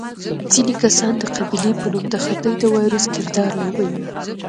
ځینې کسان د قبیلې په نوم د خدۍ د وایروس کردار لوبوي.